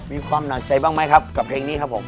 มีความหนักใจบ้างไหมครับกับเพลงนี้ครับผม